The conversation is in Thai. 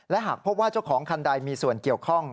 และหากพบว่าเจ้าของคันใดมีส่วนเกี่ยวข้อง